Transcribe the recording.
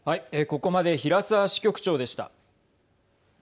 ここまで平沢支局長でした。